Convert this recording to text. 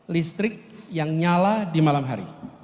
listrik yang nyala di malam hari